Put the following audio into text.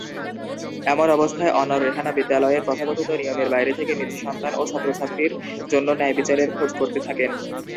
এমন অবস্থায় অনড় রেহানা বিদ্যালয়ের তথাকথিত নিয়মের বাইরে থেকে নিজ সন্তান ও ওই ছাত্রীর জন্য ন্যায়বিচারের খোঁজ করতে থাকেন।